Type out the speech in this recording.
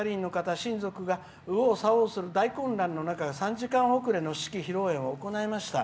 親族が右往左往する大混乱の中３時間遅れの式披露宴をしました。